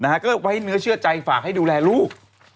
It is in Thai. ก็ไว้เนื้อเชื่อใจฝากให้ดูแลลูก